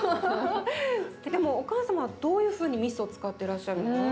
でもお母様はどういうふうにみそ使ってらっしゃるの？